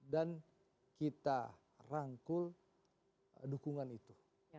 dan kita rangkul dukungan itu